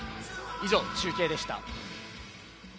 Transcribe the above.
以上、中継でした。